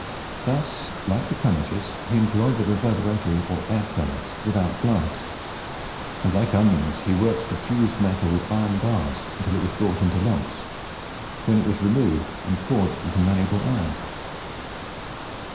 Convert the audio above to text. Thus, like the Craneges, he employed the reverberatory or air furnace, without blast, and, like Onions, he worked the fused metal with iron bars until it was brought into lumps, when it was removed and forged into malleable iron.